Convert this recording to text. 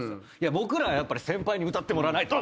僕らはやっぱり先輩に歌ってもらわないと！